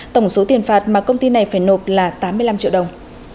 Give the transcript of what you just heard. tổng số tiền phạt mà công ty này phải nộp là tám mươi năm triệu đồng